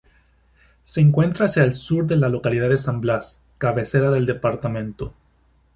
Se encuentra hacia el sur de la localidad de San Blas, cabecera del departamento.